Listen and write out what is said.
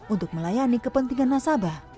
untuk melayani kepentingan nasabah